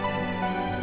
tuhan yang terbaik